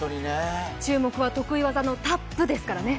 注目は得意技のタップですからね。